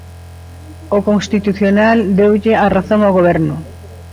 O Constitucional deulle a razón ao Goberno.